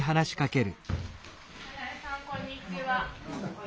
こんにちは。